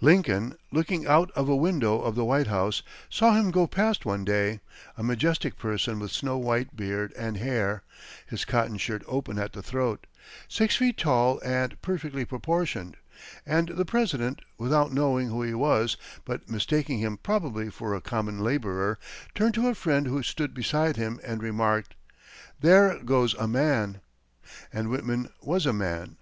Lincoln, looking out of a window of the White House, saw him go past one day; a majestic person with snow white beard and hair, his cotton shirt open at the throat, six feet tall and perfectly proportioned; and the President, without knowing who he was, but mistaking him probably for a common laborer, turned to a friend who stood beside him and remarked, "There goes a man!" And Whitman was a man.